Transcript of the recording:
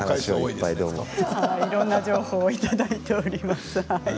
いろんな情報をいただいております。